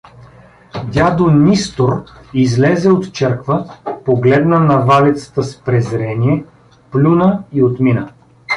Дядо Нистор излезе от черква, погледна навалицата с презрение, плюна и отмина.